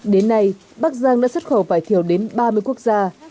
đến nay bắc giang đã xuất khẩu vài thiếu đến ba mươi quốc gia